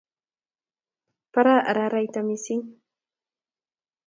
Baraa araraita missing